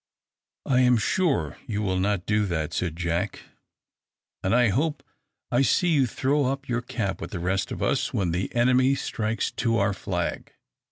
"I am sure you will not do that," said Jack; "and I hope I shall see you throw up your cap with the rest of us, when the enemy strikes to our flag."